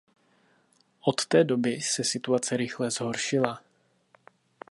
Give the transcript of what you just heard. Od té doby se situace rychle zhoršila.